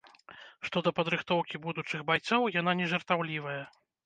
Што да падрыхтоўкі будучых байцоў, яна нежартаўлівая.